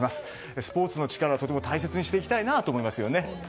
スポーツの力は、とても大切にしていきたいと思いますよね。